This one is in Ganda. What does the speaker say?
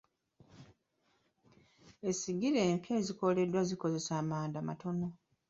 Essigiri empya ezikoleddwa zikozesa amanda matono.